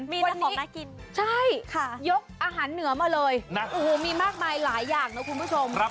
มีแต่ของน่ากินใช่ยกอาหารเหนือมาเลยนะโอ้โหมีมากมายหลายอย่างนะคุณผู้ชม